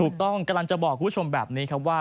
กำลังจะบอกคุณผู้ชมแบบนี้ครับว่า